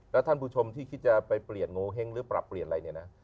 แล้วท่านผู้ชมที่คิดจะไปเปลี่ยนโงเห้งหรือปรับเปลี่ยนอะไรเนี่ยนะ